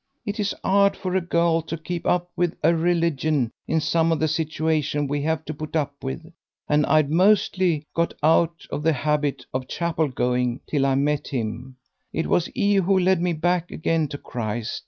It is 'ard for a girl to keep up with 'er religion in some of the situations we have to put up with, and I'd mostly got out of the habit of chapel going till I met him; it was 'e who led me back again to Christ.